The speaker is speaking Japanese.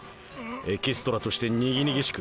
エキストラとしてにぎにぎしく